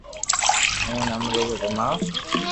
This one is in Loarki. اووہ ني امريڪا گوماوُ